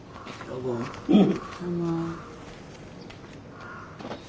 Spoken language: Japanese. どうも。